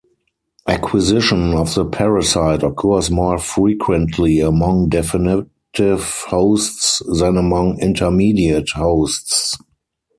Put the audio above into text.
Acquisition of the parasite occurs more frequently among definitive hosts than among intermediate hosts.